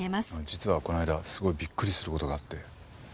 実はこの間すごいびっくりする事があって。